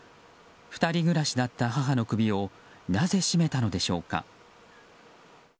２人暮らしだった母の首をなぜ絞めたのでしょうか。